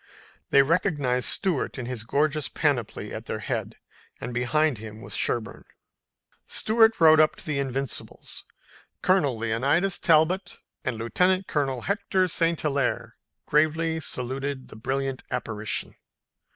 They recognized Stuart in his gorgeous panoply at their head and behind him was Sherburne. Stuart rode up to the Invincibles. Colonel Leonidas Talbot and Lieutenant Colonel Hector St. Hilaire gravely saluted the brilliant apparition.